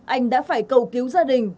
anh đã phải cầu cứu gia đình